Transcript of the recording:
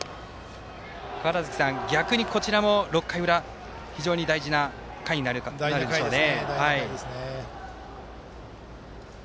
川原崎さん、逆にこちらも６回の裏、非常に大事な回ですね。